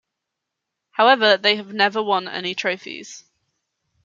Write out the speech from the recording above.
However, they have never won any trophies.